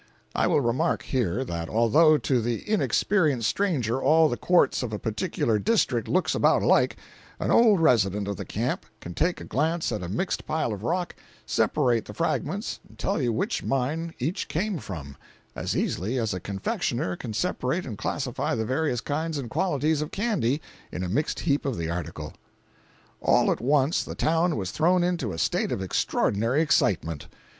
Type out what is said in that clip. I will remark here, that although to the inexperienced stranger all the quartz of a particular "district" looks about alike, an old resident of the camp can take a glance at a mixed pile of rock, separate the fragments and tell you which mine each came from, as easily as a confectioner can separate and classify the various kinds and qualities of candy in a mixed heap of the article. All at once the town was thrown into a state of extraordinary excitement.